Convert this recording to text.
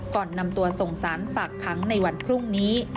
ก่อนนำตัวส่งสารฝากขังในวันพรุ่งนี้